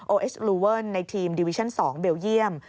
เอสลูเวิลในทีมดิวิชั่น๒เบลเยี่ยม